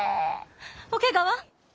おけがは。